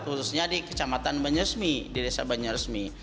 khususnya di kecamatan banyersmi di desa banyersmi